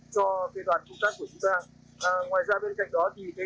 cho cây đoàn công tác của chúng ta ngoài ra bên cạnh đó thì cái thời tiết nhiệt độ ở bên đất nước bạn